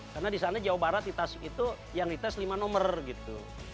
karena di sana jawa barat yang dites itu lima nomor gitu